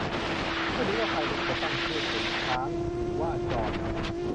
ไม่รู้ว่าใครเป็นคนตั้งชื่อขนข้างหูว่าจอน